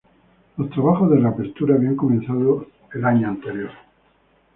Los trabajos de reapertura habían comenzado en año anterior.